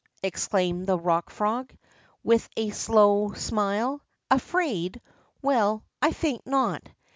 '' exclaimed the Rock Frog, with a slow smile. Afraid? Well, I think not.